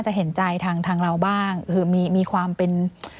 จนน้าค่ะบ้างคือมีขวามเป็น